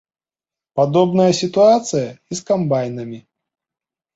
Падобная сітуацыя і з камбайнамі.